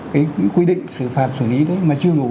cái quy định xử phạt xử lý đấy mà chưa đủ